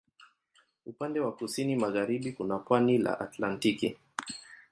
Upande wa kusini magharibi kuna pwani la Atlantiki.